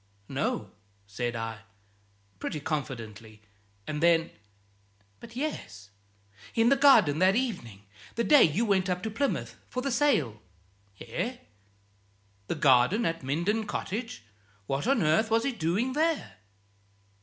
"No," said I, pretty confidently, and then "But, yes in the garden, that evening the day you went up to Plymouth for the sale!" "Eh? The garden at Minden Cottage? What on earth was he doing there?"